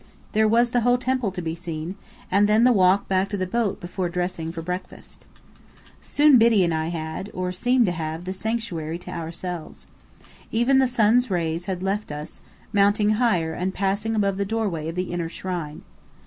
There was the whole temple to be seen, and then the walk back to the boat before dressing for breakfast. Soon Biddy and I had or seemed to have the sanctuary to ourselves. Even the sun's ray had left us, mounting higher and passing above the doorway of the inner shrine.